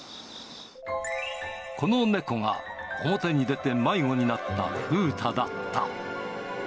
この猫が、表に出て迷子になったふうただった。